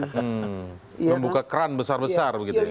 membuka kran besar besar begitu ya